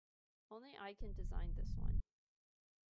Only I can design this one.